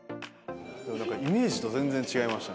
でもなんかイメージと全然違いました。